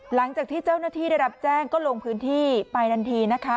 หลังจากที่เจ้าหน้าที่ได้รับแจ้งก็ลงพื้นที่ไปทันทีนะคะ